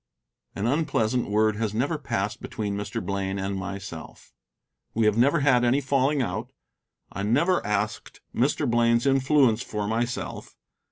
An unpleasant word has never passed between Mr. Blaine and myself. We have never had any falling out. I never asked Mr. Blaine's influence for myself.